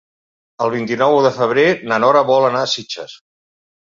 El vint-i-nou de febrer na Nora vol anar a Sitges.